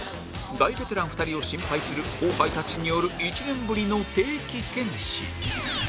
大ベテラン２人を心配する後輩たちによる１年ぶりの定期検診